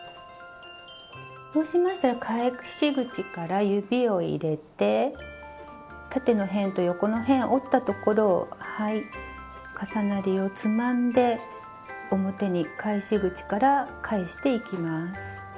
そうしましたら返し口から指を入れて縦の辺と横の辺を折ったところをはい重なりをつまんで表に返し口から返していきます。